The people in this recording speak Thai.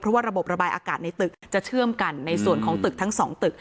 เพราะว่าระบบระบายอากาศในตึกจะเชื่อมกันในส่วนของตึกทั้งสองตึก